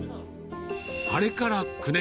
あれから９年。